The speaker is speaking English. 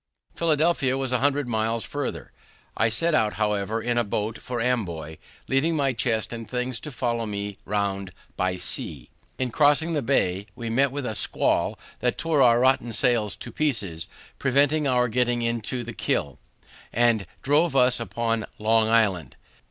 Philadelphia was a hundred miles further; I set out, however, in a boat for Amboy, leaving my chest and things to follow me round by sea. In crossing the bay, we met with a squall that tore our rotten sails to pieces, prevented our getting into the Kill, and drove us upon Long Island.